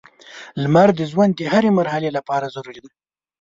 • لمر د ژوند د هرې مرحلې لپاره ضروري دی.